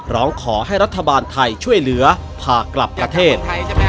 ร้องขอให้รัฐบาลไทยช่วยเหลือพากลับประเทศ